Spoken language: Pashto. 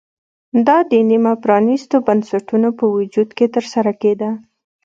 دا د نیمه پرانېستو بنسټونو په وجود کې ترسره کېده